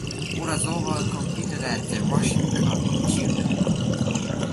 Urazova competed at the Russian Cup in June.